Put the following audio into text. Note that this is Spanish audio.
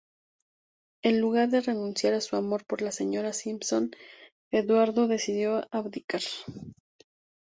En lugar de renunciar a su amor por la señora Simpson, Eduardo decidió abdicar.